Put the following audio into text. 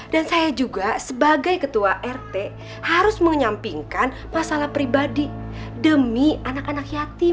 dan saya juga sebagai ketua rt harus menyampingkan masalah pribadi demi anak anak yatim